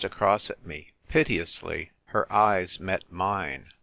across at me, piteously. Her eyes met mine.